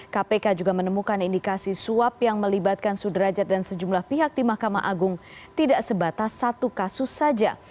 kpk juga menemukan indikasi suap yang melibatkan sudrajat dan sejumlah pihak di mahkamah agung tidak sebatas satu kasus saja